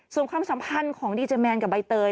ส่วนความสัมพันธ์ของดีเจแมนกับใบเตย